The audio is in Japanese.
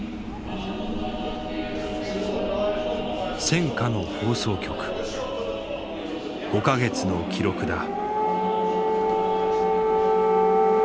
戦火の放送局５か月の記録だ。